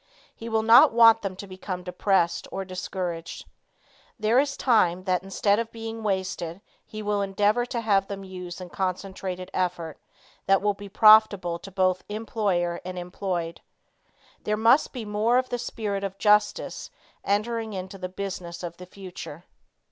He will not want them to become depressed or discouraged. There is time that instead of being wasted he will endeavor to have them use in concentrated effort that will be profitable to both employer and employed. There must be more of the spirit of justice enter into the business of the future.